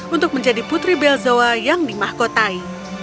untuk menjadi putri belzoa yang dimahkotai